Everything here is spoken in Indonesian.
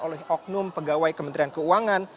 oleh oknum pegawai kementerian keuangan